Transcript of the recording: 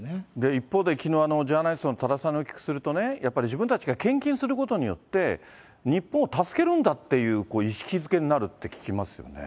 一方できのう、ジャーナリストの多田さんにお聞きすると、やっぱり自分たちが献金することによって、日本を助けるんだっていう意識づけになるって聞きますよね。